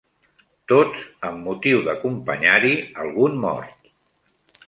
Tots amb motiu d'acompanyar-hi algun mort